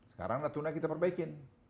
sekarang natuna kita perbaikin